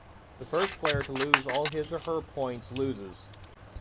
The first player to lose all his or her points loses.